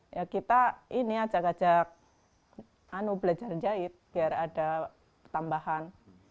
ya kita ini ajak ajak belajar jahit biar ada pertambahan